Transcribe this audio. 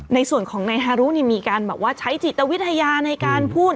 ในส่วนของนายฮารุมีการแบบว่าใช้จิตวิทยาในการพูด